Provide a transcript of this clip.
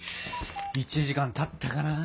１時間たったかな？